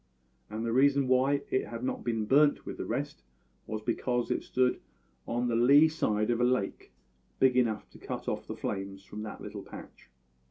And the reason why it had not been burnt with the rest was because it stood on the lee side of a lake big enough to cut off the flames from that little patch.